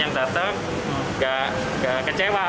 yang datang gak kecewa